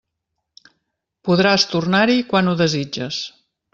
Podràs tornar-hi quan ho desitges.